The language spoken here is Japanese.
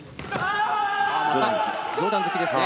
上段突きですね。